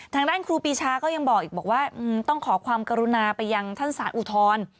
ทางด้านครูปีชาก็ยังบอกอีกบอกว่าต้องขอความกรุณาไปยังท่านสารอุทธรณ์